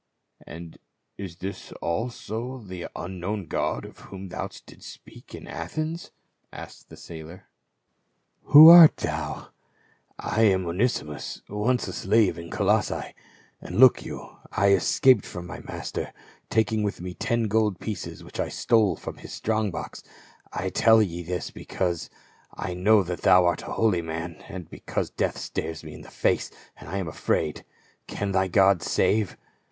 "And is this also the ' Unknown God ' of whom thou didst speak in Athens?" asked the sailor. 432 PA UL. "Who art thou ?"*' I am Onesimus, once a slave in Colossae. And look you, I escaped from my master, taking with me ten gold pieces which I stole from his strong box. I tell thee this because I know that thou art a holy man, and because death stares me in the face and I am afraid. Can thy God save